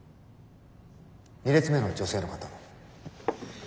２列目の女性の方。